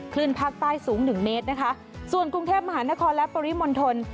ขึ้นภาคใต้สูงหนึ่งเมตรนะคะส่วนกรุงเทพมหานครและปริมณฑล